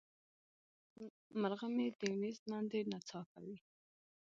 مرغه مې د میز لاندې نڅا کوي.